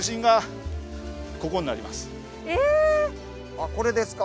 あっこれですか。